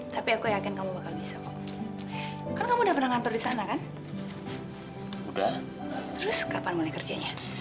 tapi aku yakin kamu bakal bisa kok kamu udah pernah ngatur di sana kan udah terus kapan mulai kerjanya